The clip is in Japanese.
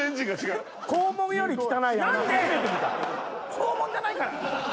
肛門じゃないから。